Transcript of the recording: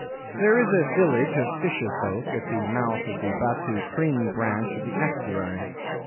'There is a village of fisher folk at the mouth of the Batu Kring branch of the estuary.